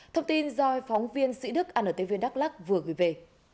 thông tin do phóng viên sĩ đức antv đắk lắc vừa gửi về